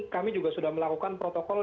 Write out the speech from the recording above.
kami juga sudah melakukan protokol